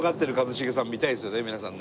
皆さんね。